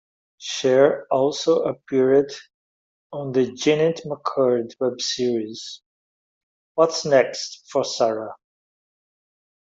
Scheer also appeared on the Jennette McCurdy web series What's Next for Sarah?